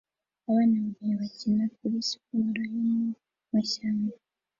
Abana babiri bakina kuri siporo yo mu mashyamba